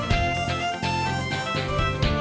sampai raya raya